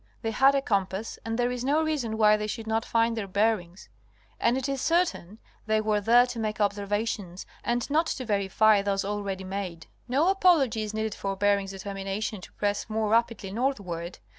They had a compass and there is no reason why they should not find their bearings, and it is certain they were there to make observations and not to verify those already made. No apology is needed for Bering's determination to press more rapidly northward.